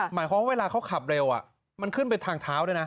หมายความว่าเวลาเขาขับเร็วมันขึ้นไปทางเท้าด้วยนะ